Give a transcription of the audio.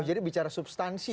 jadi bicara substansi ya